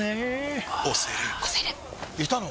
いたの？